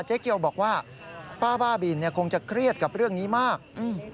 เจ๊เกียวบอกว่าป้าบ้าบินเนี่ยคงจะเครียดกับเรื่องนี้มากอืม